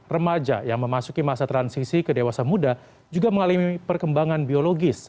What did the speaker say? remaja yang memasuki masa transisi ke dewasa muda juga mengalami perkembangan biologis